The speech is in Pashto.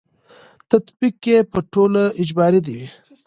تطبیق یې په ټولو اجباري وي.